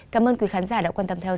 cảm ơn quý khán giả đã quan tâm theo dõi